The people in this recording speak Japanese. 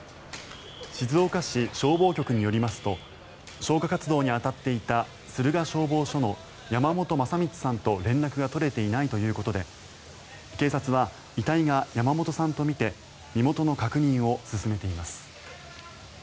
静岡市消防局によりますと消火活動に当たっていた駿河消防署の山本将光さんと連絡が取れていないということで警察は遺体が山本さんとみて身元の確認を進めています。